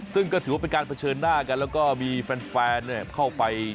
ซึ่งก็ถือว่าเป็นการเผชิญหน้ากันแล้วก็มีแฟนเข้าไป